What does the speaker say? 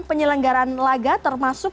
penyelenggaran laga termasuk